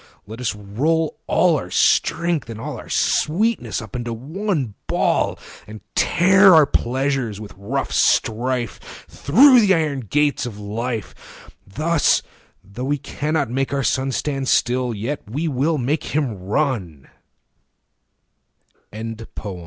40 Let us roll all our strength and all Our sweetness up into one ball, And tear our pleasures with rough strife Thorough the iron gates of life: Thus, though we cannot make our sun 45 Stand still, yet we